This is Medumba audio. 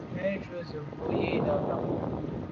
Mèn yub ze bo bwe i là b’a yà.